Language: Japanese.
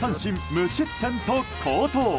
無失点と好投。